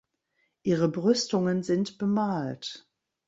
Ihre Brüstungen sind bemalt.